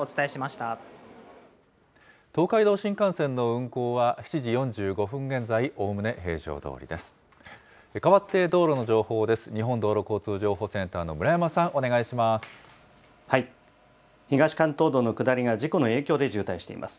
東海道新幹線の運行は、７時４５分現在、おおむね平常どおりです。